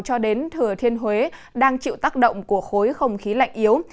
cho đến thừa thiên huế đang chịu tác động của khối không khí lạnh yếu